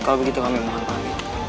kalau begitu kami mohon pak